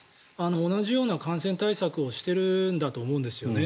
同じような感染対策をしているんだと思うんですよね。